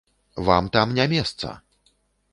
Вам там не месца!